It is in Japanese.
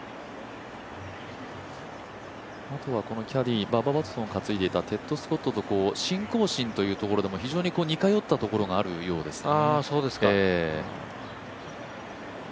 あとはこのキャディー、バッバ・ワトソンをかついでいたテッド・スコットと信仰心というところでは非常に似通ったところがあるようですね。